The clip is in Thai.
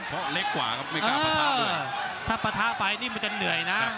เพราะเล็กกว่าครับไม่กล้าปะทะด้วยถ้าปะทะไปนี่มันจะเหนื่อยนะ